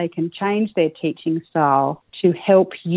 bagaimana mereka bisa mengubah stil pelajar